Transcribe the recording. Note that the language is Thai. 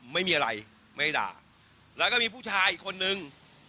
ไม่มีอะไรไม่ด่าแล้วก็มีผู้ชายอีกคนนึง